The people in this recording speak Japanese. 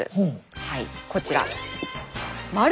はいこちら。